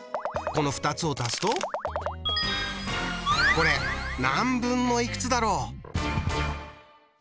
この２つを足すとこれ何分のいくつだろう？